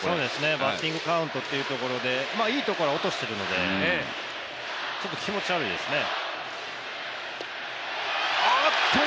バッティングカウントというところでいいところは落としているのでちょっと気持ち悪いですね。